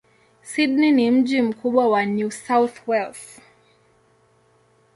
Sydney ni mji mkubwa wa New South Wales.